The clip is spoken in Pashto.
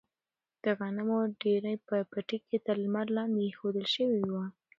د غنمو ډیرۍ په پټي کې تر لمر لاندې ایښودل شوې وه.